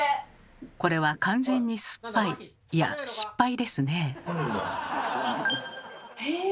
これは完全に酸っぱいいや「失敗」ですね。